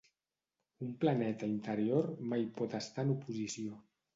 Un planeta interior mai pot estar en oposició.